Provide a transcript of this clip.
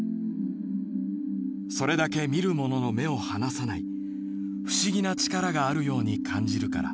「それだけ見る者の目を離さない不思議な力があるように感じるから」。